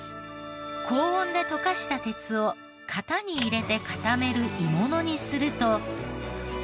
高温で溶かした鉄を型に入れて固める鋳物にすると。